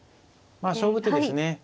まあ勝負手ですね。